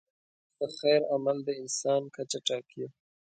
د خیر عمل د انسان کچه ټاکي.